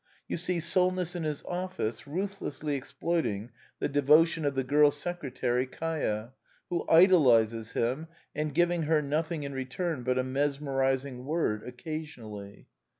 You see Solness in his office, ruthlessly exploiting the de votion of the girl secretary Kaia, who idolizes him, and giving her nothing in return but a mes merizing word occasionally.